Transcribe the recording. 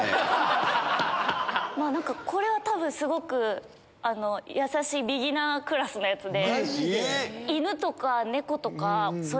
これは多分すごく易しいビギナークラスのやつで。